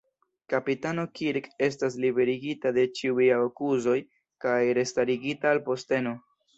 Kapitano Kirk estas liberigita de ĉiuj akuzoj kaj restarigita al posteno.